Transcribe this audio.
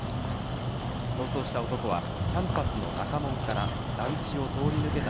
逃走した男はキャンパスの中門から団地を通り抜けた